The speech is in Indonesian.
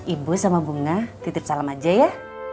ibu sama bunga titip salam aja ya